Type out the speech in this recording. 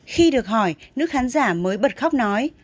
khi được hỏi nước khán giả mới bật khóc nói